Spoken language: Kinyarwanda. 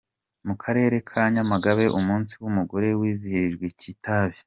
Mu karere ka Nyamagabe umunsi w’umugore wizihirijwe Kitabi.